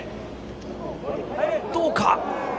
どうか。